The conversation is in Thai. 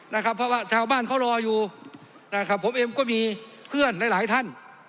นะครับเพราะว่าชาวบ้านเขารออยู่นะครับผมเองก็มีเพื่อนหลายหลายท่าน